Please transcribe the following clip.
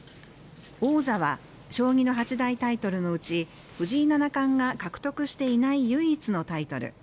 王座は将棋の八大タイトルのうち藤井七冠が獲得していない唯一のタイトル